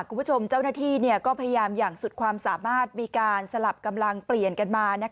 คุณผู้ชมเจ้าหน้าที่ก็พยายามอย่างสุดความสามารถมีการสลับกำลังเปลี่ยนกันมา